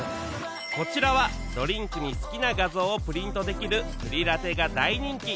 こちらはドリンクに好きな画像をプリントできるプリラテが大人気